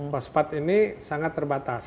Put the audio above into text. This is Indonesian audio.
pospat ini sangat terbatas